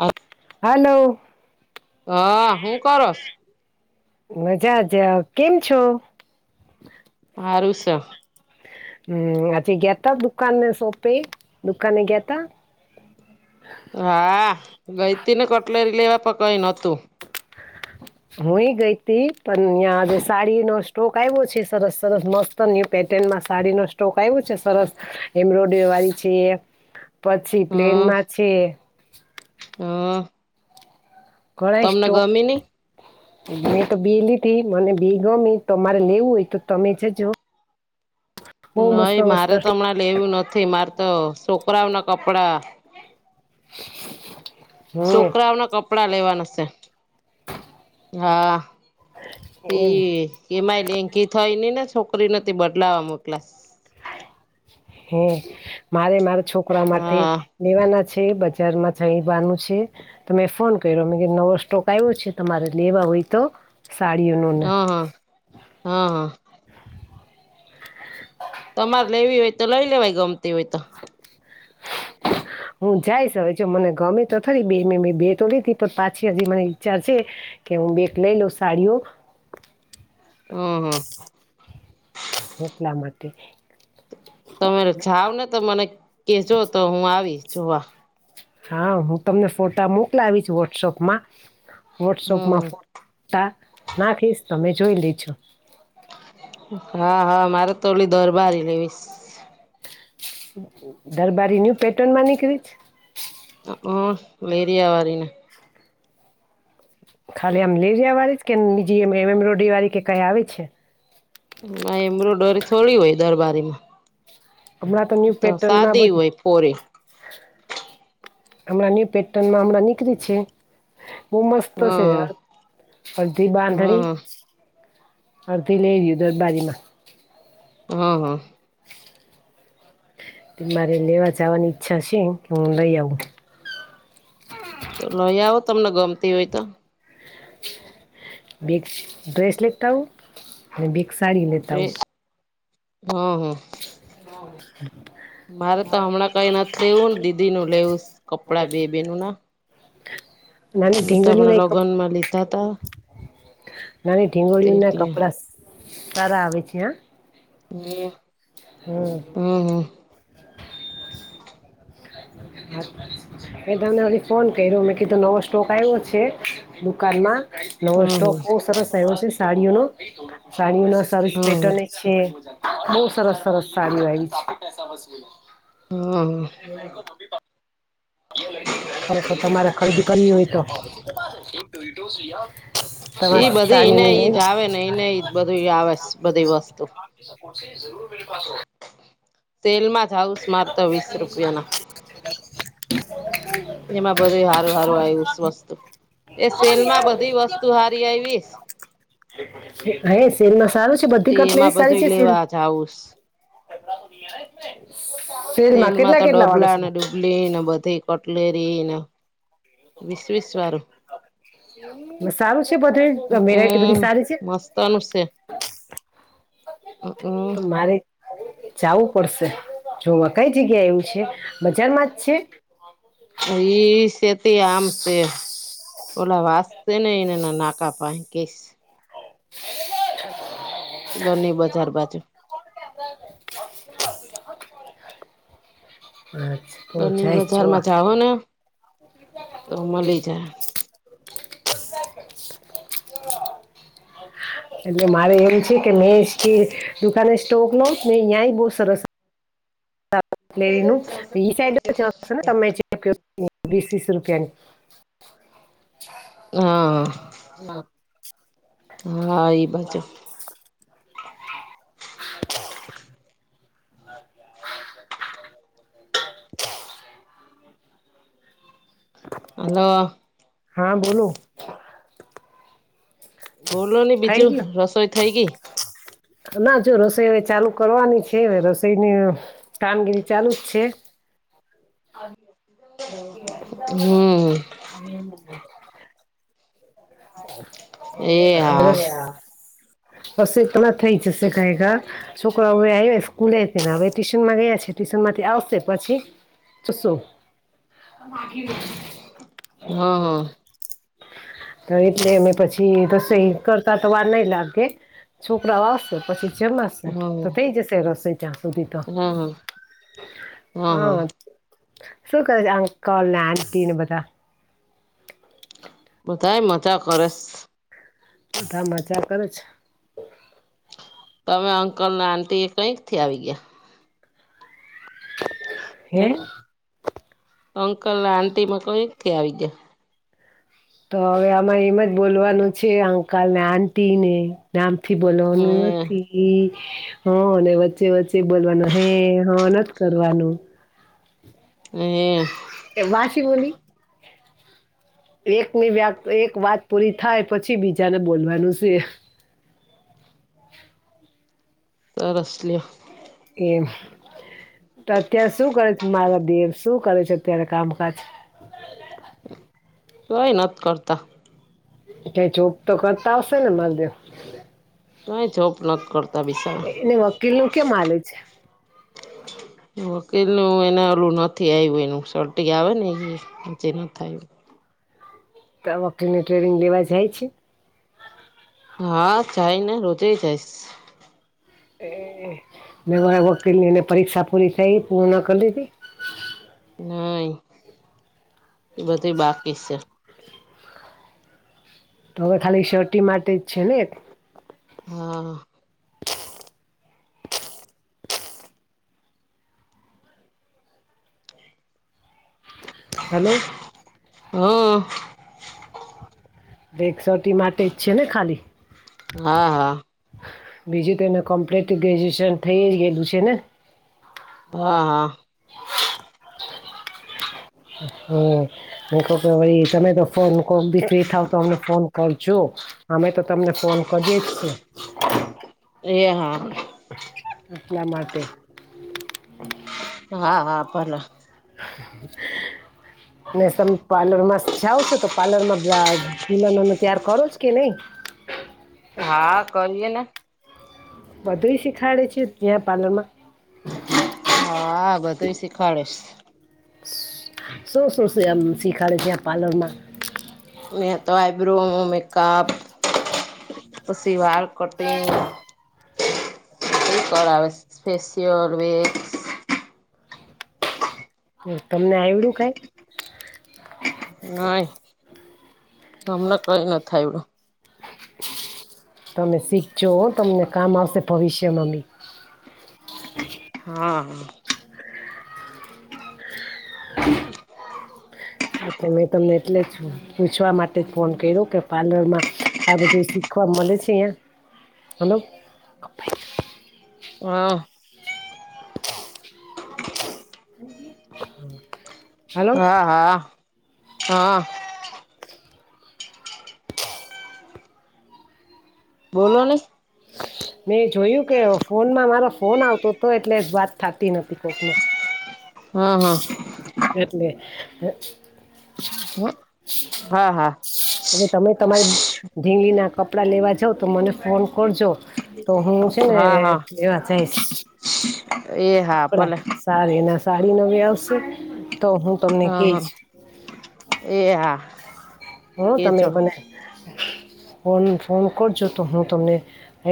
હ હાલો હા હું કરસ મજા જ કેમ છો? હારું શે હમ આજે ગયાતા દુકાનને સોંપે દુકાને ગયાતા હા ગઈતી ને કટલેરી લેવા પકઈ નોતું [inaudible] હું એ ગઈ હતી પણ તયાં આજે સાડીનો સ્ટોક આવ્યો છે સરસ સરસ મસ્ત તો ન્યુ પેટર્નમાં સાડી નો સ્ટોક આવ્યો છે સરસ એમ્બ્રોડ વાળી છે પછી પ્લેનમાં છે હા ઘણાઈ સ્ટો ની મેં તો બી લીધી મને બી ગમી તમારે લેવું હોય તો તમે જજો બહુ મસ્ત નઈ મસ્ત મારે તો હમણાં લેવું નથી મારે તો છોકરાઓ ના કપડા હમ છોકરાઓના કપડા લેવાના છે હા તે એમ એમાંય લેન્કી થઈ ને છોકરીને તે બદલાવા મોકલા હે મારે મારા છોકરા માટે હા લેવાના છે બજારમાં છઈવાનું છે તમે ફોન કર્યો મે કે નવો સ્ટોક આવ્યો છે તમારે લેવા હોય તો સાડીઓનો ને હા હા હા હા તમારે લેવી હોય તો લઈ લેવાય ગમતી હોય તો [inaudible] હું જાઈશ હવે મને ગમે તો થરી બે મે બેતો લીધી પણ પાછી હજી મને વિચાર છે કે હું બેક લઈ લઉં સાડીઓ હમ હમ એટલા માટે તમે જાવ ને તો મને કેજો તો હું આવીશ જોવા હા હું તમને ફોટા મોકલાવીશ વોટ્સઅપમાં વોટ્સઅપમાં હમ ફ તા નાખીશ તમે જોઈ લેજો હા હા મારે તોલી દોર બારી લેવીશ દરબારી ન્યુ પેટનમાં નીકળી છે હ લેરીયા વારીને ખાલી આમ લેરિયા વાળી જ કેજી એમ એમ એમ્બ્રોડરી વાળ કે કઈ આવે છે? એમ્બ્રોઇડરી થોડી હોય દરબારી માં તો સાદી હોય ફોરી હમણા ન્યૂ પેટર્નમાં હમણાં નીકળી છે બહ મસ્ત છે હમ અડધી બાંધણી હમ અડધી લેરીયુ દરબારીમાં હા હા મારે લેવા જવાની ઈચ્છા છે હું લઈ આવું તો લઈ આવો તમને ગમતી હોય તો બે ડ્રેસ લેતા આઉ અને બેગ સાડી લેતા આઉ હમ હમ હ મારે તો હમણાં કઈ નથી લેવું ને દીદી નું લેવું કપડા બે બે ન ના [inaudible] મેમે તો હણાં ઢીંગળીયું ના લોગન માં લીધા તા નાની ઢીંગોળી ના એટલે કપડા સારા આવે છે આ હ હમ હમ હમ [inaudible] [unintelligible] મે તમને [unintelligible] ફોન કર્યો મેં કીધું નવો સ્ટોક આવ્યો છે દુકાનમાં નવો સ્ટોક હમ બહુ સરસ આવ્યો છે સાડીઓનો સાડીઓના સરસ હમ પેટર્ન છે બહુ સરસ સરસ સારી આવી છે. હા અને તમારે ખરીદી કરવી હોય તો તમારે ઈ બધી ને સાડીઓની લઈ ઈ જ આવે ને એને ઈજ બધી આવે બધી વસ્તુ [unintelligible] તેનમાં [unintelligible] એમાં બધું હારું હારું આયવું વસ્તુ. એ સેલ માં બધી વસ્તુ હારી આવી. હ એ સેલમાં સારું છે તે બધી એમાં કટલેરી સારી બધું છે સેલ લેવા જાવુંસ સેલમાં કેટલા કેટલા વાળો છે? લી ને બધી કટલેરી ને વીસવીસ વારું સારું છે બધું, વેરાયટી બધી હમ સારી છે? મસ્તનું હા અ તો મારે જાવું પડશે જોવા કઈ જગ્યા એવું છે, બજારમાં જ છે? ઈ છેેતે આમ છે. ઓલા વાજ છેને એને ના નાકા પાય કેશ ગની બજાર બાજુ [unintelligible] [unintelligible] તને બજાર જોવા માં જાઓ ના? [inaudible] એટલે મારે એમ છે કે મેં સ્કી દુકાને સ્ટોક નો ન્યાએ બહુ સરસ એનું ઈ સાઈડ [unintelligible] તમે વીસ વીસ રૂપિયાની હા હા એ બાજુ [inaudible] હલો હા બોલો. બોલો ને ખાઈ બીજું ગ્યો રસોઈ થઈ ગઈ [inaudible] ના જો રસ તે હવે ચાલુ કરવાની છે હવે રસોઈની કામગીરી ચાલુ જ છે હમ્મ હમ્મ એ હા બસ ઈતના થઈ જશે ગાએ ગા છોકરાઓ હવે સ્કૂલે ને હવે ટ્યુશન માં ગયા છે ટ્યુશન માંથી આવશે પછી છસો હા [unintelligible] એટલે અમે પછી રસોઈ કરતા તો વાર નઈ લાગે છોકરા ઓ આવશે પછી જમાશે હા તો થઈ જશે રસોઈ ત્યાં સુધી તો હા હ હા હા શું કરે છે અંકલ ને આટી ને બધા? બધાય મજા કરશ બધા મજા કરે છે ત અમે અંકલ અને આંટી એ કંઈકથી આવી ગ્યા હે? અંકલ આંટી માં કઈથી આવી ગ્યા તો હવે આમાં એમ જ બોલવાનું છે અંકલ ને આટી ને આમ થી બોલવાનું હે નથી એ હ વચ્ચે વચ્ચે બોલવાનું હે હ ન કરવાનું હે કે વાશીમોલી એકની વાત એક વાત પૂરી થાય પછી બીજાને બોલવાનું સે સરસ લ્યો એમ તો અત્યારે શું કરે છે મારા દેવ શું કરે છે ત્યારે કામકાજ તોએ નથ કરતા ક્યાંય જોબ તો કરતા આવશે ને માલદેવ કાઇ જોબ નથ કરતા બિચારા એને વકીલ નું કેમ હાલે છે [inaudible] વકીલ નુ એને ઓલું નથી આયવુ એનું સર્ટી આવે ને એ હજી નથ આયુ ત્યા વકીલ ની ટ્રેનિંગ લેવા જાય છે. હા જાયને રોજેય જાય એ વકીલની એને પરીક્ષા પૂરી થઈ પૂર્ણ કર લીધી ના એ બધું બાકી છે. તો હવે ખાલી સર્ટી માટે જ છે ને હા હલો હઅ એક સર્ટી માટે જ છે ને ખાલી હા હા બીજું તો એને કમ્પ્લીટ ગ્રેજ્યુએશન થઈ જ ગયેલું છે ને હા હા હમ્મ તમે તો ફોન કોકદી ફી થાવ તો અમને ફોન કરજો. અમે તો તમને ફોન કરીએ જ છે. એ હા એટલા માટે હા હા ભલે [inaudible] ને સમ પાર્લર માં જાઓ છું તો પાર્લર માં [unintelligible] દુલહનો ને ત્યાર કરુજ કે નહી. હા કરીએને બધું શીખાડે છે ત્યાં પાર્લર માં હા બધુંય શીખવાડેશ શું શું એમ શીખાડે છે તયા પાર્લરમાં તો આઈબ્રો મેકઅપ હા પછી વાળ કટિંગ કરાવે ફેશિયલ વેક્સ હ તમને આવડું કાઈ નઈ અમને કઈ નથી આવડુ તમે શીખજો હો તમને કામ આવશે ભવિષ્યમાં હા હા એટલે મેં તમને એટલે જ પૂછવા માટે જ ફોન કર્યો કે પાર્લરમાં આ બધું શીખવા મળે છે હા હ હમ હા હા હા બોલો ને મેં જોયું કે ફોનમાં મારો ફોન આવતો હતો એટલે વાત થતી નથી કોક નો. હા હા એટલે હ હ હા હા હવે તમે તમારે ઢીલી ના કપડા લેવા જાવ તો મને ફોન કરજો તો હું છે ને હા હા એવા થઈ એ હા કપડા ભલે સા એના સાડી નવી આવશે તો હું તમને હા હા કહીશ એહા હું તમે મને ફોન ફોન કરજો તો હું તમને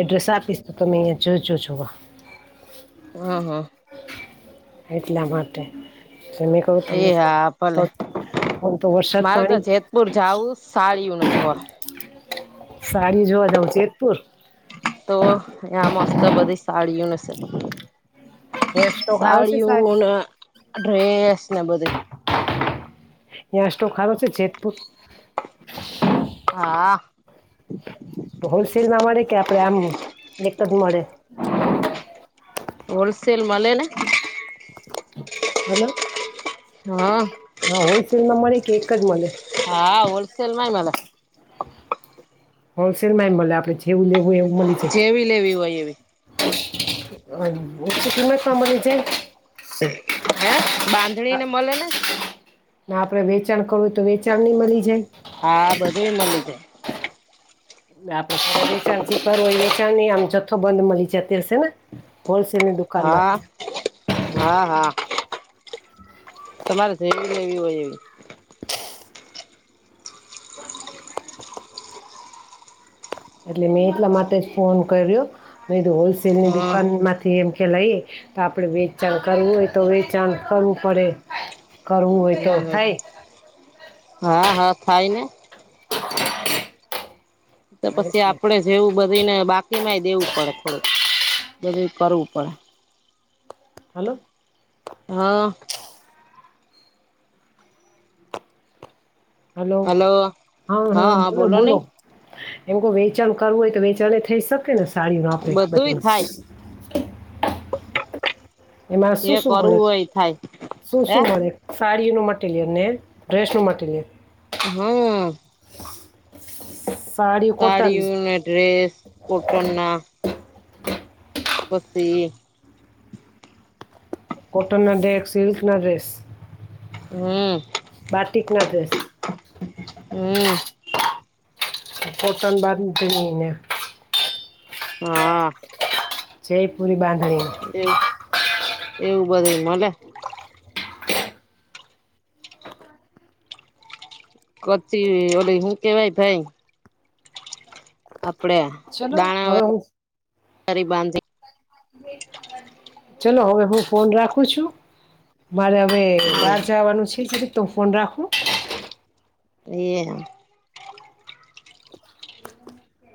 એડ્રેસ આપીસ તો તમે જો જો હા હ હા એટલા માટે સમી તો એ હા ભલે તમેમ તો વરસાદ પાણી સાડીઓ ન જોવા સાડી જોવા જઉ જેતપુર તો આ મસ્ત બધી સાડીઓશે ત્યાં સ્ટોક હારો છે સાહેબ સાડીઓને ડ્રેસ ને બધે ન્યા સ્ટોક હારો છે જેતપુર હા હોલસેલમાં મળે કે આપડે આમ એક જ મળે હોલસેેલ મલે ને હેલો હા હા હોલસેલ માં મળે કે એક જ મળે હા હોલસેલ માં એ મલે હોલસેલમાં એ મલે આપે જેવું લેવું એવું [unintelligible] જેવી લેવી હોય એવી [inaudible] જાય હા બાંધણી ને મળે ને ના આપડે વેચાણ કરવું તો વેચાણ ની મળી જાય હા બધું મળી જાય આપે વેચાણ કરુ હોય વેચાણ આમ જથ્થો બંધ મળી જતી હશે ને હોલસેલ ની દુકાન હા માંથી હા હા તમારે જેવી લેવી હોય એવી [inaudible] એટલે મેં એટલા માટે જ ફોન કર્યો મે તો હોલસેલની હમ દુકાનમાં તે એમ કે લઈએ તો આપણે વેચાણ કરવું હોય તો વેચાણ કરવું પડે કરવું હોય તો હમ હમ થાય હા હા થાયને તો પછી એટલે આપડે જેવું બધુંને બાકીમાંય દેવું પડે થોડુંક બધું કરવું પડે હલો હા હલો હા હા બોલો બોલો એમ કો વેચાણ કરવું હોય તો વેચાણ એ થઈ શકે ને સાડી ન બધું થાય [unintelligible] [inaudible] એમાં શું જે શું મળે કરવું હોય થાય શું હે શું મળે? સાડી નું મટીરિયલ ને ડ્રેસ નું મટીરિયલ. હમ સાડી ઓ ને ડ્રેસ કોટન ના [unintelligible] કોટનના ડ્રેસ સિલ્કના ડ્રેસ હમ બાટીક ના ડ્રેસ હમ કોટન બાંધણી [unintelligible] હાહા જયપુરી બાંધણી એવું એવું બધું મળે [unintelligible] ઓ હું કેવાય ભાઈ આપડે ચલો દાણા હવે હું [inaudible] બાંધી ચલો હવે હું ફોન રાખું છું મારે હવે બહાર જવાનું છે તો ફોન રાખો એ હા [inaudible]